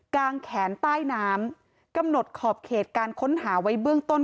งแขนใต้น้ำกำหนดขอบเขตการค้นหาไว้เบื้องต้น